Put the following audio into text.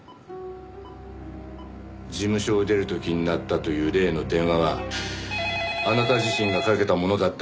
事務所を出る時に鳴ったという例の電話はあなた自身がかけたものだったんだろ？